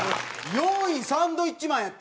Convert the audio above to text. ４位サンドウィッチマンやって。